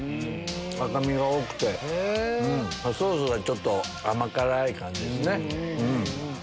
赤身が多くてソースがちょっと甘辛い感じですね。